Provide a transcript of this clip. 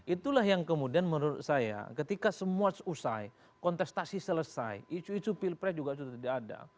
itulah yang kemudian menurut saya ketika semua usai kontestasi selesai isu isu pilpres juga sudah tidak ada